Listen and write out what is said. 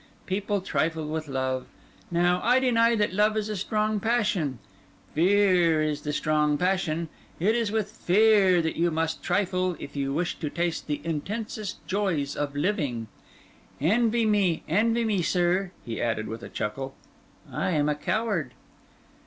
People trifle with love. Now, I deny that love is a strong passion. Fear is the strong passion; it is with fear that you must trifle, if you wish to taste the intensest joys of living. Envy me—envy me, sir," he added with a chuckle, "I am a coward!"